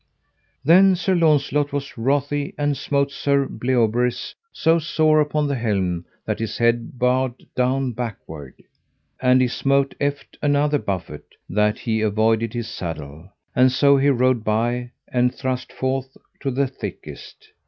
Then Sir Launcelot was wrothy and smote Sir Bleoberis so sore upon the helm that his head bowed down backward. And he smote eft another buffet, that he avoided his saddle; and so he rode by, and thrust forth to the thickest.